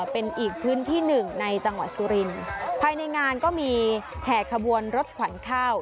เป็นอีกพื้นที่หนึ่งในจังหวัดสุรินภายในงานก็มีแห่ขบวนรถขวัญข้าว